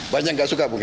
banyak yang tidak suka